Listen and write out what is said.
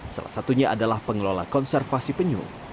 salah satunya adalah pengelola konservasi penyu